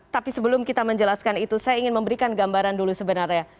tapi sebelum kita menjelaskan itu saya ingin memberikan gambaran dulu sebenarnya